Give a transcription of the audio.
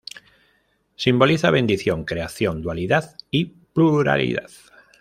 Simboliza bendición, creación, dualidad y pluralidad.